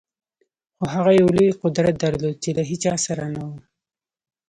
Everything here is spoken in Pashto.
خو هغه یو لوی قدرت درلود چې له هېچا سره نه و